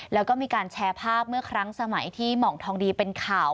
แล้วก็มีการแชร์ภาพเมื่อครั้งสมัยที่หม่องทองดีเป็นข่าว